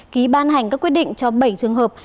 ký ban hành các quyết định cho bảy trường hợp